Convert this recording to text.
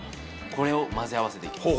これを混ぜ合わせていきます